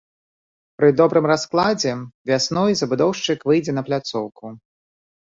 Пры добрым раскладзе вясной забудоўшчык выйдзе на пляцоўку.